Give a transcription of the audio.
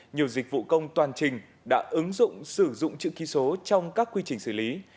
nhiều dịch vụ công toàn trình đã ứng dụng sử dụng chữ ký số trong các quy trình xử lý